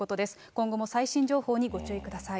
今後も最新情報にご注意ください。